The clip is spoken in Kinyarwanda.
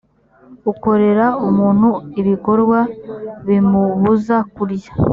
ukorera umuntu ibikorwa bimubuza kurya